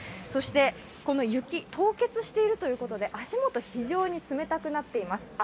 そして雪、凍結しているということで足もと、非常に冷たくなっています。